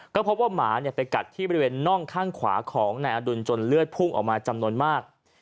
ก็พบว่าหมาไปกัดที่บริเวณน่องข้างขวาของนายอดุลจนเลือดพุ่งออกมาจำนวนมาก